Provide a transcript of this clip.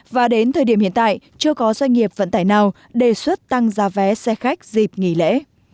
và đến thời điểm hiện tại chưa có doanh nghiệp vận tải nào đề xuất tăng giá vé xe khách dịp nghỉ lễ